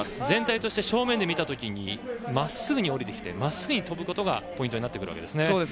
全体として正面で見た時に真っすぐに降りてきて真っすぐ跳ぶことがポイントになってくるわけですね。